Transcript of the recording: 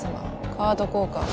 カード交換は？